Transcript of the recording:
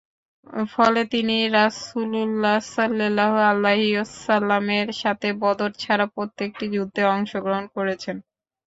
ফলে তিনি রাসূলুল্লাহ সাল্লাল্লাহু আলাইহি ওয়াসাল্লামের সাথে বদর ছাড়া প্রত্যেকটি যুদ্ধে অংশ গ্রহণ করেছেন।